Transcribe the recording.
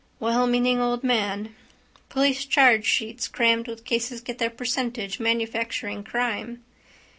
Wellmeaning old man. Police chargesheets crammed with cases get their percentage manufacturing crime.